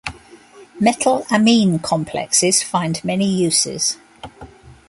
Metal ammine complexes find many uses.